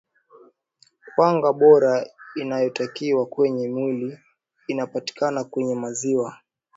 wanga bora inayotakiwa kwenye mwili inapatikana kwenye maziwa